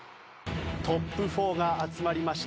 トップ４が集まりました。